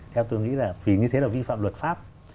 theo tôi nghĩ là vì như thế là vi phạm luật pháp